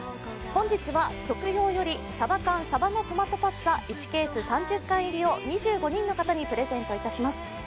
本日は極洋より「ＳＡＢＡＫＡＮさばのトマトパッツァ」１ケース３０缶入りを２５人の方にプレゼントいたします